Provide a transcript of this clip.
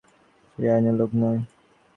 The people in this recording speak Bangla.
সে আইনের লোক নয়।